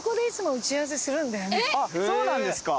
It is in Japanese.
そうなんですか？